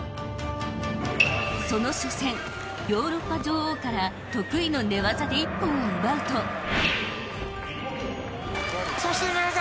その初戦ヨーロッパ女王から得意の寝技で一本を奪うとそして寝技。